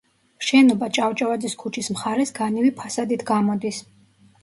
შენობა ჭავჭვაძის ქუჩის მხარეს განივი ფასადით გამოდის.